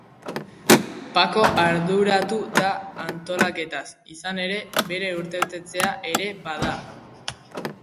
Pako arduratu da antolaketaz, izan ere, bere urtebetetzea ere bada.